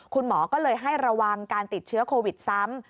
คุณหมอก็เลยให้ระวังการติดเชื้อโควิดซ้ำ